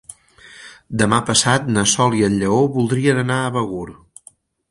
Demà passat na Sol i en Lleó voldrien anar a Begur.